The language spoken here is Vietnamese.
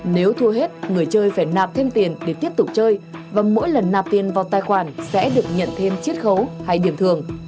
nếu thua hết người chơi phải nạp thêm tiền để tiếp tục chơi và mỗi lần nạp tiền vào tài khoản sẽ được nhận thêm chiếc khấu hay điểm thường